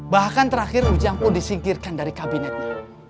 bahkan terakhir ujang pun disingkirkan dari kabinetnya